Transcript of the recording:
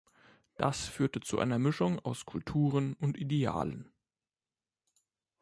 Das führte zu einer Mischung aus Kulturen und Idealen.